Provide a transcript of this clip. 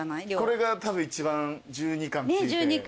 これがたぶん一番１２貫ついて。